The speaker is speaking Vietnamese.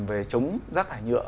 về chống rác thải nhựa